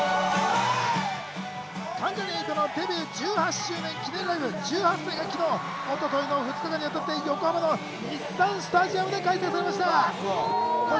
関ジャニ∞のデビュー１８周年記念ライブ、１８祭が昨日と一昨日の２日間にわたって横浜の日産スタジアムで開催されました。